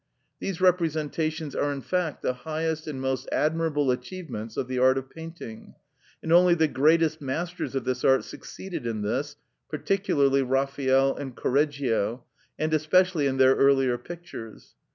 These representations are in fact the highest and most admirable achievements of the art of painting; and only the greatest masters of this art succeeded in this, particularly Raphael and Correggio, and especially in their earlier pictures.